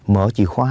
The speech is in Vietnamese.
mở chìa khóa